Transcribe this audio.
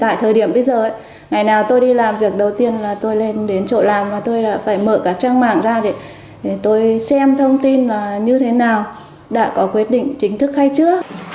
tại thời điểm bây giờ ngày nào tôi đi làm việc đầu tiên là tôi lên đến chỗ làm và tôi phải mở các trang mạng ra để tôi xem thông tin là như thế nào đã có quyết định chính thức hay chưa